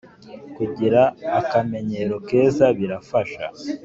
kugira akamenyero keza birafasha.